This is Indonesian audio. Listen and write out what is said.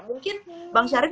mungkin bang syarif